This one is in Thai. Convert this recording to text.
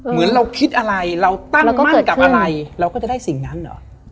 เหมือนเราคิดอะไรเราตั้งมั่นกับอะไรเราก็จะได้สิ่งนั้นเหรอ